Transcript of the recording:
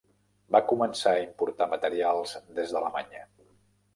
Va començar a importar materials des d'Alemanya.